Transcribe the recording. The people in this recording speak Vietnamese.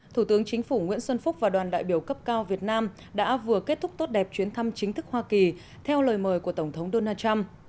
thủ tướng chính phủ nguyễn xuân phúc và đoàn đại biểu cấp cao việt nam đã vừa kết thúc tốt đẹp chuyến thăm chính thức hoa kỳ theo lời mời của tổng thống donald trump